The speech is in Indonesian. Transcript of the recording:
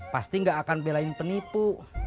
pasti gak akan belain penipu